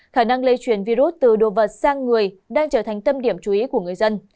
khả năng lây truyền virus từ đồ vật sang người đang trở thành tâm điểm chú ý của người dân